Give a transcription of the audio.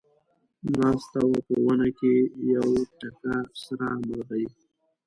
ناسته وه په ونه کې یوه تکه سره مرغۍ